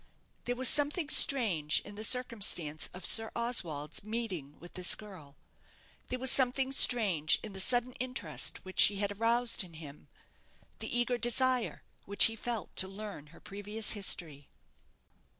There was something strange in the circumstance of Sir Oswald's meeting with this girl. There was something strange in the sudden interest which she had aroused in him the eager desire which he felt to learn her previous history.